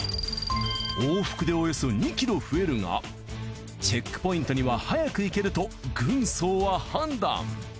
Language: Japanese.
往復でおよそ２ｋｍ増えるがチェックポイントには早く行けると軍曹は判断。